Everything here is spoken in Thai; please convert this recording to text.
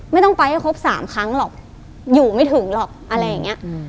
ไม่ต้องไปให้ครบ๓ครั้งหรอกอยู่ไม่ถึงหรอกอะไรอย่างนี้